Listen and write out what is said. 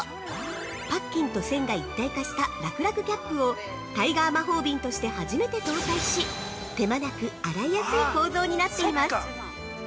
パッキンと栓が一体化したらくらくキャップをタイガー魔法瓶として初めて搭載し手間なく洗いやすい構造になっています。